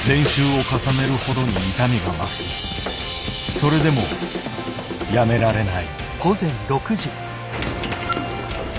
それでもやめられない。